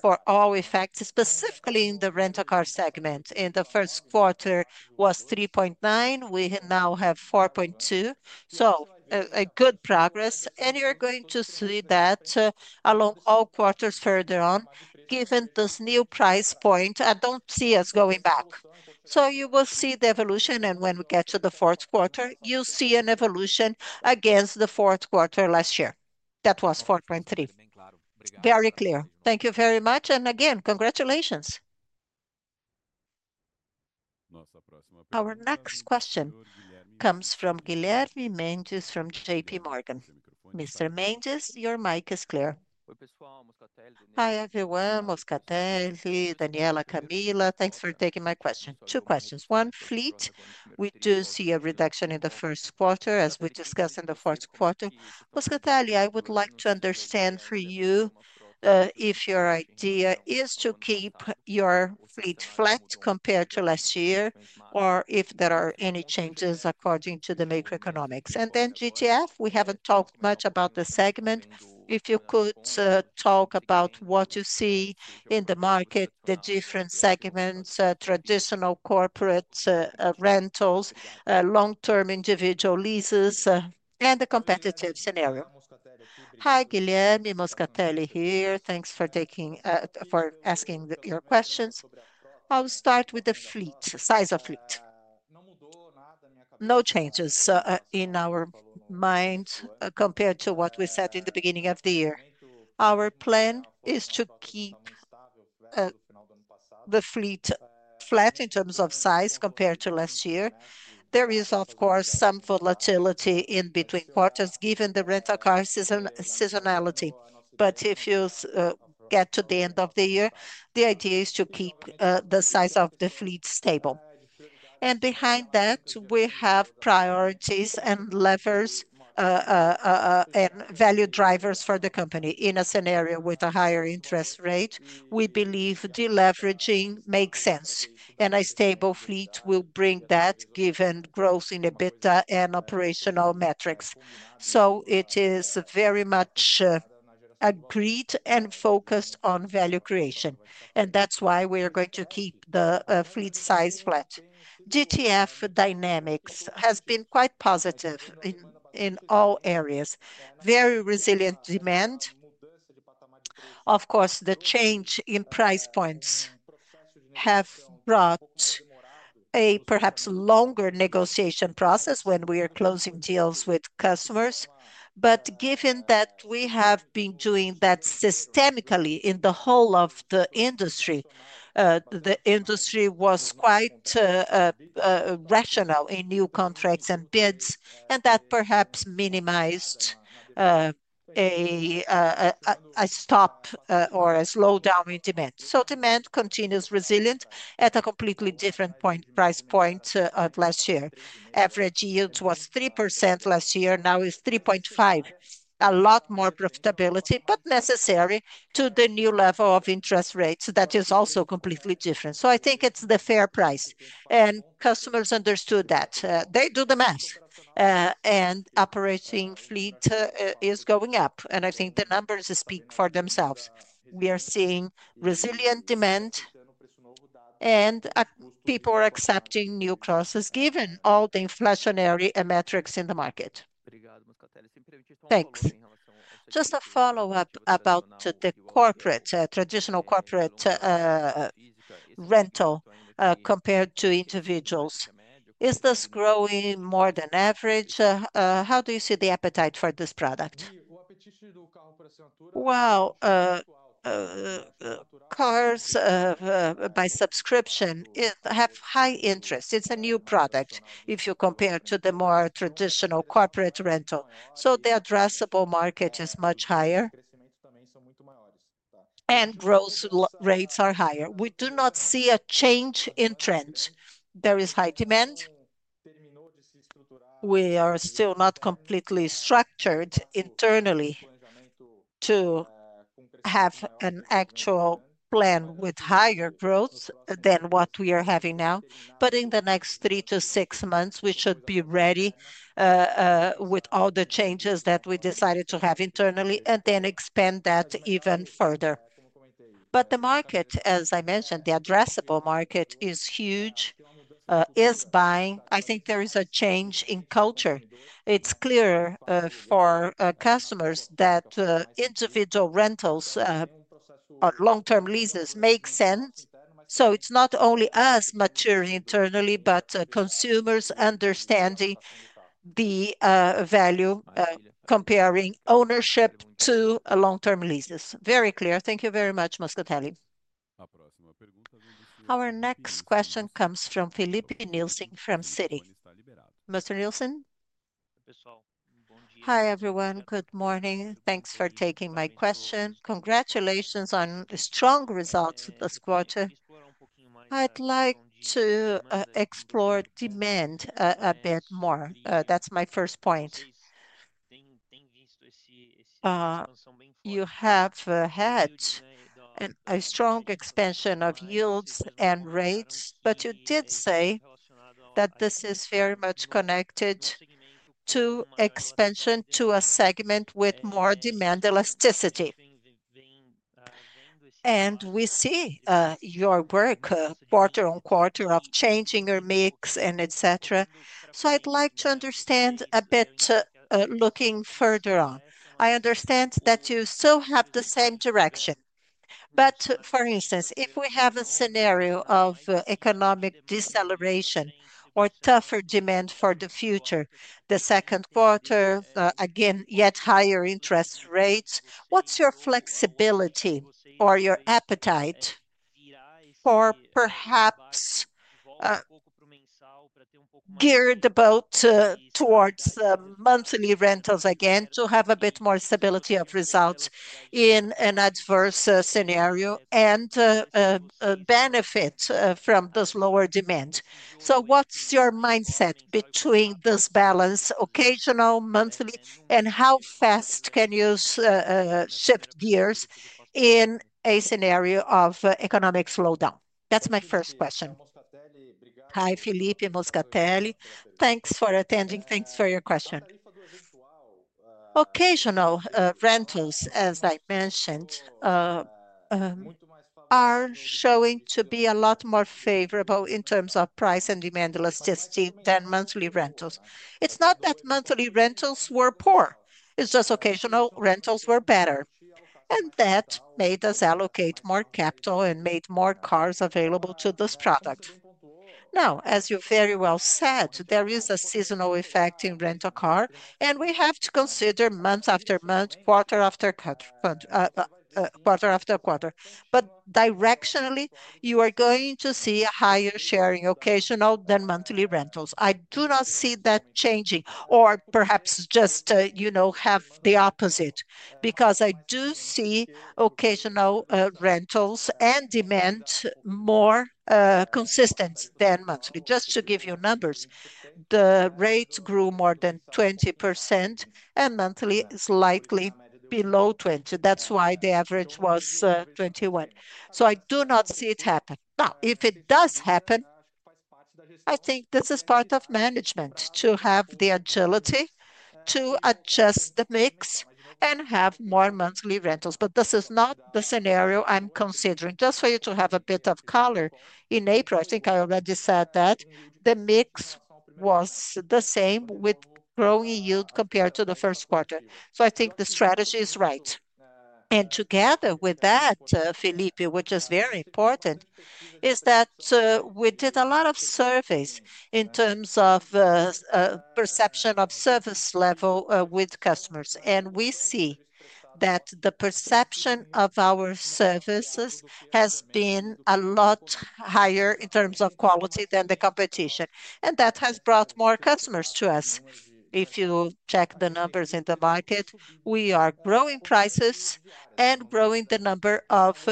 for all effects, specifically in the rental car segment. In the first quarter, it was 3.9. We now have 4.2. So a good progress. You're going to see that along all quarters further on, given this new price point. I don't see us going back. You will see the evolution. When we get to the fourth quarter, you'll see an evolution against the fourth quarter last year. That was 4.3%. Very clear. Thank you very much. Again, congratulations. Our next question comes from Guilherme Mendes from JP Morgan. Mr. Mendes, your mic is clear. Hi everyone, Moscatelli, Daniela, Camila, thanks for taking my question. Two questions. One, fleet, we do see a reduction in the first quarter, as we discussed in the fourth quarter. Moscatelli, I would like to understand for you if your idea is to keep your fleet flat compared to last year or if there are any changes according to the macroeconomics. And then GTF, we have not talked much about the segment. If you could talk about what you see in the market, the different segments, traditional corporate rentals, long-term individual leases, and the competitive scenario. Hi, Guilherme, Moscatelli here. Thanks for asking your questions. I'll start with the fleet, size of fleet. No changes in our mind compared to what we said in the beginning of the year. Our plan is to keep the fleet flat in terms of size compared to last year. There is, of course, some volatility in between quarters given the rental car seasonality. If you get to the end of the year, the idea is to keep the size of the fleet stable. Behind that, we have priorities and levers and value drivers for the company. In a scenario with a higher interest rate, we believe deleveraging makes sense. A stable fleet will bring that given growth in EBITDA and operational metrics. It is very much agreed and focused on value creation. That is why we are going to keep the fleet size flat. GTF dynamics has been quite positive in all areas. Very resilient demand. Of course, the change in price points has brought a perhaps longer negotiation process when we are closing deals with customers. Given that we have been doing that systemically in the whole of the industry, the industry was quite rational in new contracts and bids, and that perhaps minimized a stop or a slowdown in demand. Demand continues resilient at a completely different price point of last year. Average yield was 3% last year. Now it is 3.5%. A lot more profitability, but necessary to the new level of interest rates that is also completely different. I think it is the fair price. Customers understood that. They do the math. Operating fleet is going up. I think the numbers speak for themselves. We are seeing resilient demand. People are accepting new crosses given all the inflationary metrics in the market. Thanks. Just a follow-up about the corporate, traditional corporate rental compared to individuals. Is this growing more than average? How do you see the appetite for this product? Cars by subscription have high interest. It's a new product if you compare to the more traditional corporate rental. So the addressable market is much higher. Growth rates are higher. We do not see a change in trend. There is high demand. We are still not completely structured internally to have an actual plan with higher growth than what we are having now. In the next three to six months, we should be ready with all the changes that we decided to have internally and then expand that even further. The market, as I mentioned, the addressable market is huge, is buying. I think there is a change in culture. It's clearer for customers that individual rentals or long-term leases make sense. It is not only us maturing internally, but consumers understanding the value comparing ownership to long-term leases. Very clear. Thank you very much, Moscatelli. Our next question comes from Filipe Nielsen from Citi. Mr. Nielsen? Hi everyone, good morning. Thanks for taking my question. Congratulations on strong results this quarter. I'd like to explore demand a bit more. That is my first point. You have had a strong expansion of yields and rates, but you did say that this is very much connected to expansion to a segment with more demand elasticity. We see your work quarter on quarter of changing your mix and etc. I would like to understand a bit looking further on. I understand that you still have the same direction. For instance, if we have a scenario of economic deceleration or tougher demand for the future, the second quarter, again, yet higher interest rates, what's your flexibility or your appetite for perhaps geared about towards monthly rentals again to have a bit more stability of results in an adverse scenario and benefit from this lower demand? What's your mindset between this balance, occasional, monthly, and how fast can you shift gears in a scenario of economic slowdown? That's my first question. Hi, Filipe, Moscatelli. Thanks for attending. Thanks for your question. Occasional rentals, as I mentioned, are showing to be a lot more favorable in terms of price and demand elasticity than monthly rentals. It's not that monthly rentals were poor. It's just occasional rentals were better. That made us allocate more capital and made more cars available to this product. Now, as you very well said, there is a seasonal effect in rental car, and we have to consider month after month, quarter after quarter. Directionally, you are going to see a higher share in occasional than monthly rentals. I do not see that changing or perhaps just, you know, have the opposite because I do see occasional rentals and demand more consistent than monthly. Just to give you numbers, the rate grew more than 20% and monthly is likely below 20%. That is why the average was 21%. I do not see it happen. Now, if it does happen, I think this is part of management to have the agility to adjust the mix and have more monthly rentals. This is not the scenario I am considering. Just for you to have a bit of color, in April, I think I already said that the mix was the same with growing yield compared to the first quarter. I think the strategy is right. Together with that, Felipe, which is very important, is that we did a lot of surveys in terms of perception of service level with customers. We see that the perception of our services has been a lot higher in terms of quality than the competition. That has brought more customers to us. If you check the numbers in the market, we are growing prices and growing the number of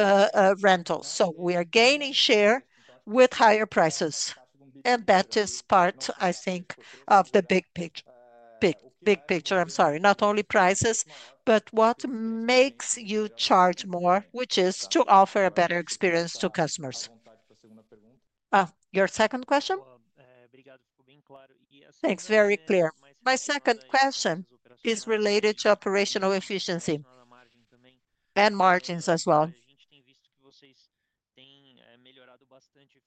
rentals. We are gaining share with higher prices. That is part, I think, of the big picture. Big picture, I'm sorry. Not only prices, but what makes you charge more, which is to offer a better experience to customers. Your second question? Thanks, very clear. My second question is related to operational efficiency and margins as well.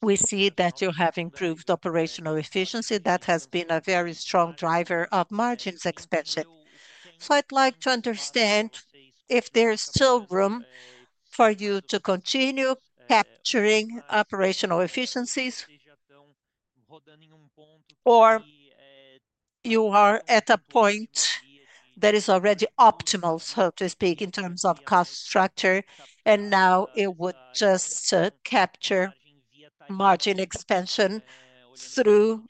We see that you have improved operational efficiency. That has been a very strong driver of margins expansion. I would like to understand if there is still room for you to continue capturing operational efficiencies or you are at a point that is already optimal, so to speak, in terms of cost structure and now it would just capture margin expansion through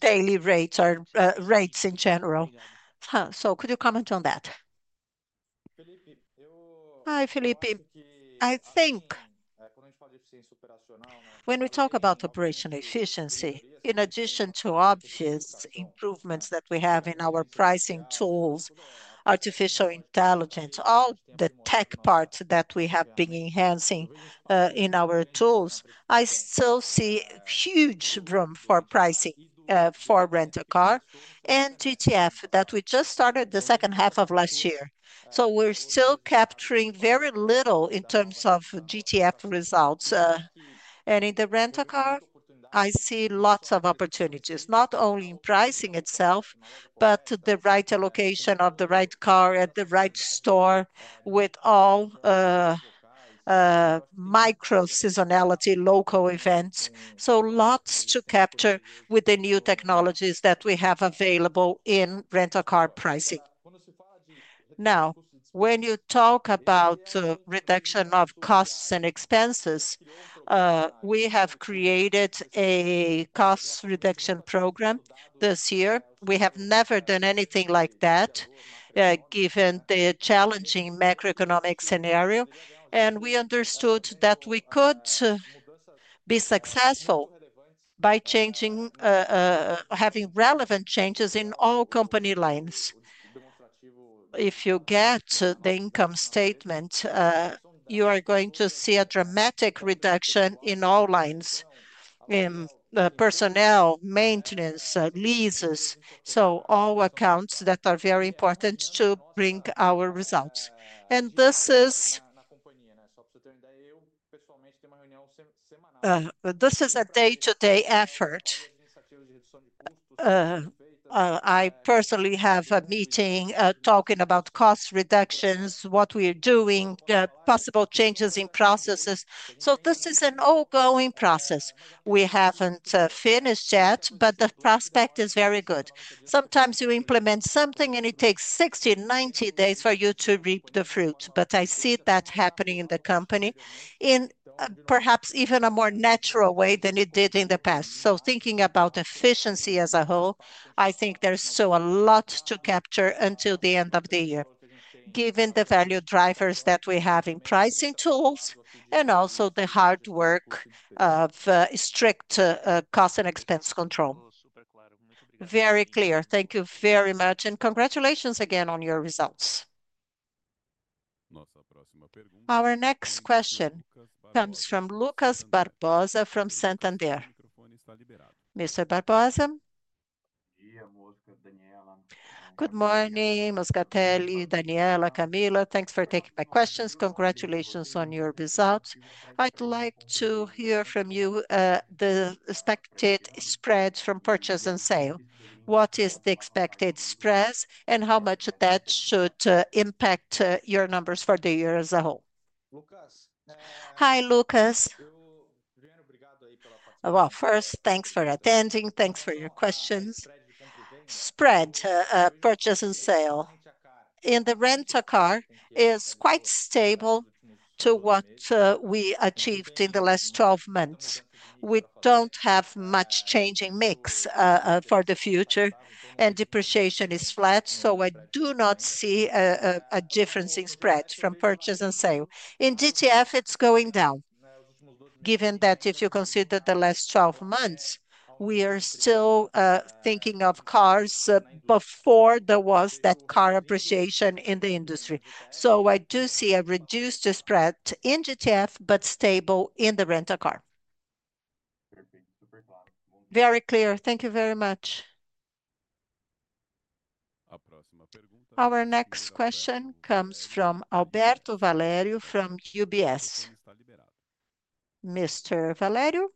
daily rates or rates in general. Could you comment on that? Hi Filipe. I think when we talk about operational efficiency, in addition to obvious improvements that we have in our pricing tools, artificial intelligence, all the tech parts that we have been enhancing in our tools, I still see huge room for pricing for rental car and GTF that we just started the second half of last year. We're still capturing very little in terms of GTF results. In the rental car, I see lots of opportunities, not only in pricing itself, but the right allocation of the right car at the right store with all micro seasonality, local events. Lots to capture with the new technologies that we have available in rental car pricing. Now, when you talk about reduction of costs and expenses, we have created a cost reduction program this year. We have never done anything like that given the challenging macroeconomic scenario. We understood that we could be successful by changing, having relevant changes in all company lines. If you get the income statement, you are going to see a dramatic reduction in all lines, in personnel, maintenance, leases. All accounts that are very important to bring our results. This is a day-to-day effort. I personally have a meeting talking about cost reductions, what we are doing, possible changes in processes. This is an ongoing process. We have not finished yet, but the prospect is very good. Sometimes you implement something and it takes 60-90 days for you to reap the fruit. I see that happening in the company in perhaps even a more natural way than it did in the past. Thinking about efficiency as a whole, I think there is still a lot to capture until the end of the year, given the value drivers that we have in pricing tools and also the hard work of strict cost and expense control. Very clear. Thank you very much and congratulations again on your results. Our next question comes from Lucas Barbosa from Santander. Mr. Barbosa? Good morning, Moscatelli, Daniela, Camila. Thanks for taking my questions. Congratulations on your results. I'd like to hear from you the expected spreads from purchase and sale. What is the expected spreads and how much that should impact your numbers for the year as a whole? Hi Lucas. First, thanks for attending. Thanks for your questions. Spread, purchase and sale. In the rental car, it is quite stable to what we achieved in the last 12 months. We do not have much changing mix for the future and depreciation is flat. I do not see a difference in spread from purchase and sale. In GTF, it's going down. Given that if you consider the last 12 months, we are still thinking of cars before there was that car appreciation in the industry. I do see a reduced spread in GTF, but stable in the rental car. Very clear. Thank you very much. Our next question comes from Alberto Valério from UBS. Mr. Valério?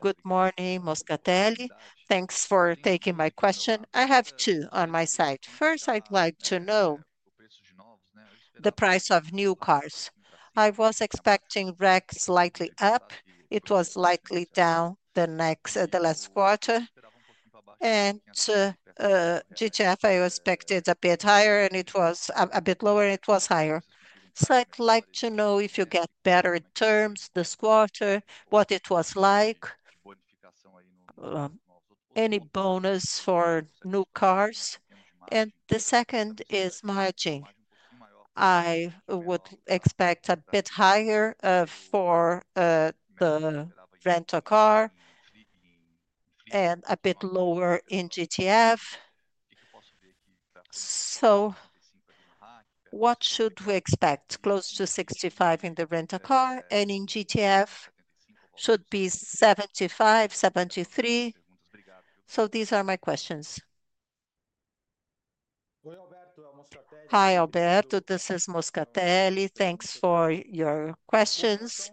Good morning, Moscatelli. Thanks for taking my question. I have two on my side. First, I'd like to know the price of new cars. I was expecting REC slightly up. It was likely down the next, the last quarter. And GTF, I expected a bit higher and it was a bit lower and it was higher. I would like to know if you get better terms this quarter, what it was like, any bonus for new cars. The second is margin. I would expect a bit higher for the rental car and a bit lower in GTF. What should we expect? Close to 65% in the rental car and in GTF should be 75%, 73%. These are my questions. Hi Alberto, this is Moscatelli. Thanks for your questions.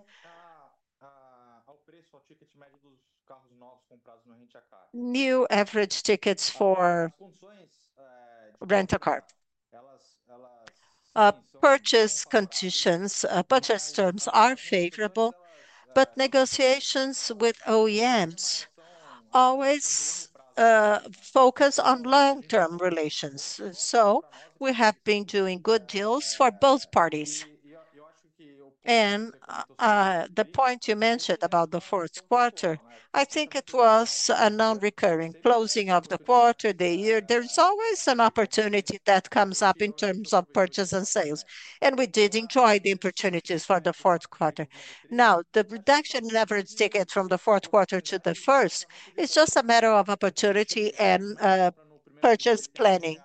New average tickets for rental car. Purchase conditions, purchase terms are favorable, but negotiations with OEMs always focus on long-term relations. We have been doing good deals for both parties. The point you mentioned about the fourth quarter, I think it was a non-recurring closing of the quarter, the year. There is always an opportunity that comes up in terms of purchase and sales. We did enjoy the opportunities for the fourth quarter. Now, the reduction leverage ticket from the fourth quarter to the first is just a matter of opportunity and purchase planning.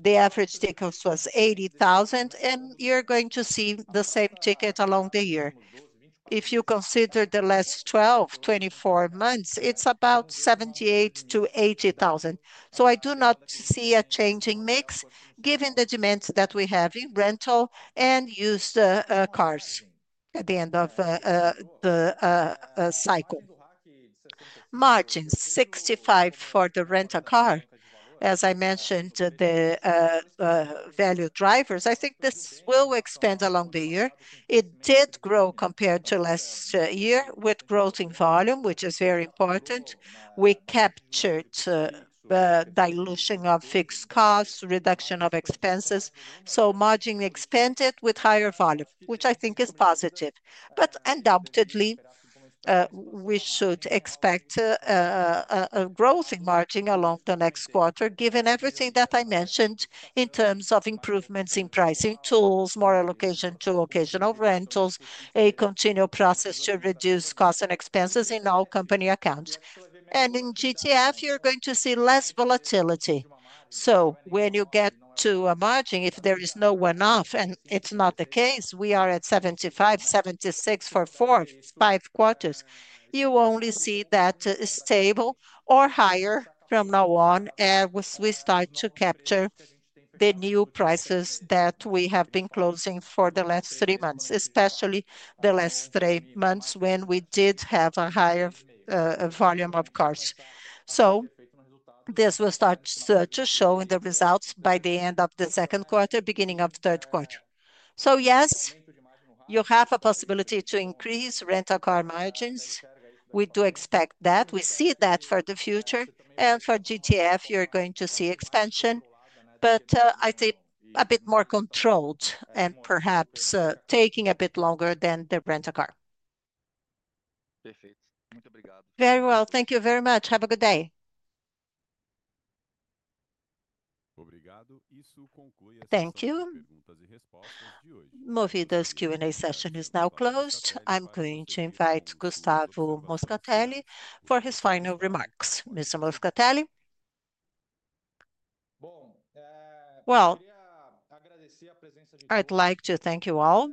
The average ticket was 80,000 and you are going to see the same ticket along the year. If you consider the last 12-24 months, it is about 78,000-80,000. I do not see a changing mix given the demand that we have in rental and used cars at the end of the cycle. Margin, 65% for the rental car. As I mentioned, the value drivers, I think this will expand along the year. It did grow compared to last year with growth in volume, which is very important. We captured the dilution of fixed costs, reduction of expenses. Margin expanded with higher volume, which I think is positive. Undoubtedly, we should expect a growth in margin along the next quarter given everything that I mentioned in terms of improvements in pricing tools, more allocation to occasional rentals, a continual process to reduce costs and expenses in our company accounts. In GTF, you are going to see less volatility. When you get to a margin, if there is no one off, and it is not the case, we are at 75%-76% for four-five quarters. You only see that stable or higher from now on as we start to capture the new prices that we have been closing for the last three months, especially the last three months when we did have a higher volume of cars. This will start to show in the results by the end of the second quarter, beginning of the third quarter. Yes, you have a possibility to increase rental car margins. We do expect that. We see that for the future. For GTF, you are going to see expansion, but I think a bit more controlled and perhaps taking a bit longer than the rental car. Very well, thank you very much. Have a good day. Thank you. Movida's Q&A session is now closed. I am going to invite Gustavo Moscatelli for his final remarks. Mr. Moscatelli? I would like to thank you all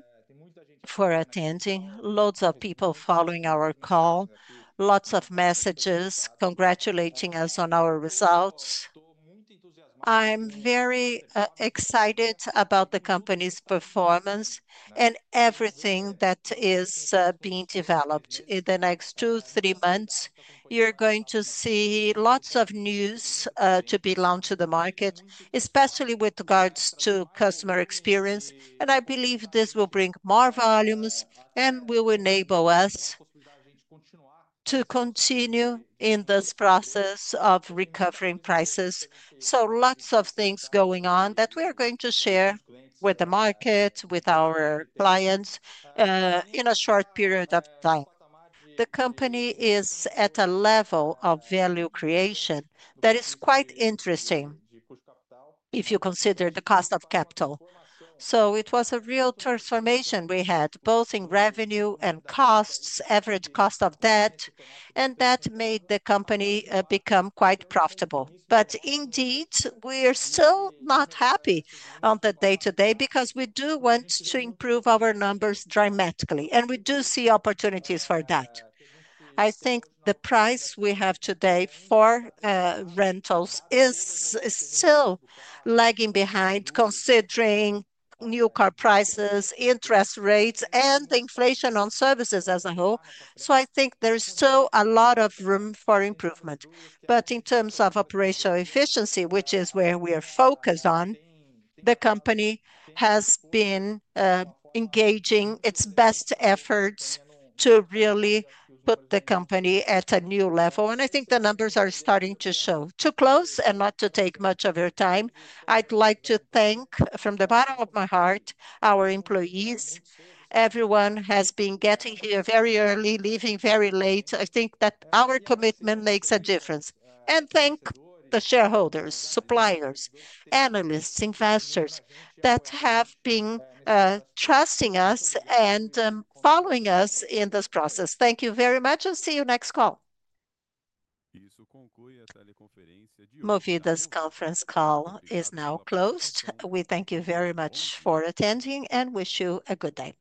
for attending. Loads of people following our call, lots of messages congratulating us on our results. I'm very excited about the company's performance and everything that is being developed in the next two, three months. You're going to see lots of news to be launched to the market, especially with regards to customer experience. I believe this will bring more volumes and will enable us to continue in this process of recovering prices. Lots of things going on that we are going to share with the market, with our clients in a short period of time. The company is at a level of value creation that is quite interesting if you consider the cost of capital. It was a real transformation we had both in revenue and costs, average cost of debt, and that made the company become quite profitable. Indeed, we are still not happy on the day-to-day because we do want to improve our numbers dramatically and we do see opportunities for that. I think the price we have today for rentals is still lagging behind considering new car prices, interest rates, and the inflation on services as a whole. I think there is still a lot of room for improvement. In terms of operational efficiency, which is where we are focused on, the company has been engaging its best efforts to really put the company at a new level. I think the numbers are starting to show. To close and not to take much of your time, I'd like to thank from the bottom of my heart our employees. Everyone has been getting here very early, leaving very late. I think that our commitment makes a difference. Thank the shareholders, suppliers, analysts, investors that have been trusting us and following us in this process. Thank you very much and see you next call. Movida's conference call is now closed. We thank you very much for attending and wish you a good day.